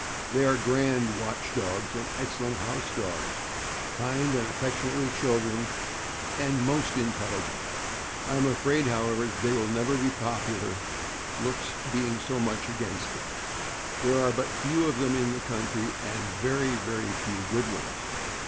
They are grand watch dogs and excellent house dogs, kind and affectionate with children, and most intelligent. I am afraid, however, that they will never be popular, looks being so much against them. There are but few of them in the country, and very, very few good ones.